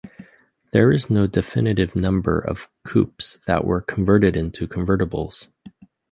There is no definitive number of coupes that were converted into convertibles.